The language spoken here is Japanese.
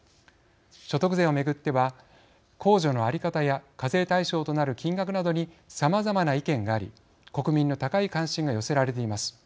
所得税を巡っては控除の在り方や課税対象となる金額などにさまざまな意見があり国民の高い関心が寄せられています。